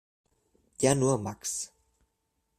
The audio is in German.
Der nur max.